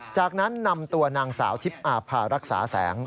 จากนั้นนำตัวนางสาวทิพย์อาภารักษาแสง